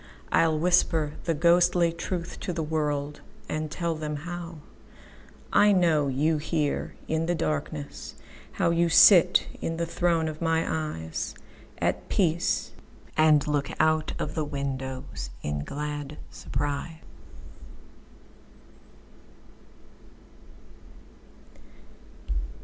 I'll whisper the ghostly truth to the worldAnd tell them howI know you here in the darkness, How you sit in the throne of my eyesAt peace, and look out of the windowsIn glad surprise.